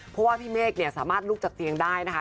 เพราะว่าพี่เมฆเนี่ยสามารถลุกจากเตียงได้นะคะ